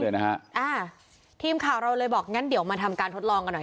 อ่าทีมข่าวเราเลยบอกงั้นเดี๋ยวมาทำการทดลองกันหน่อย